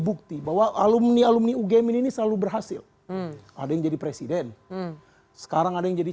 bukti bahwa alumni alumni ugm ini selalu berhasil ada yang jadi presiden sekarang ada yang jadi